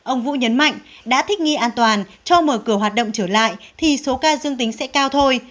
ông vũ nhấn mạnh đã thích nghi an toàn cho mở cửa hoạt động trở lại thì số ca dương tính sẽ cao thôi